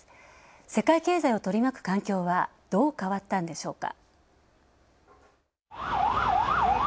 世界経済を取り巻く環境はどう変わったんでしょうか。